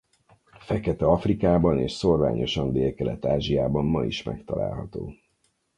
Fekete-Afrikában és szórványosan Délkelet-Ázsiában ma is megtalálható.